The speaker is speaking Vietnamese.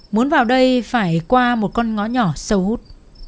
muốn vào đây phải qua một con ngõ nhỏ sâu hút